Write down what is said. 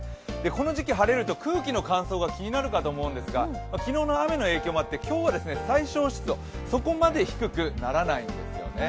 この時期晴れると空気の乾燥が気になると思うんですが昨日の雨の影響もあって今日は最小湿度そこまで低くならないんですよね。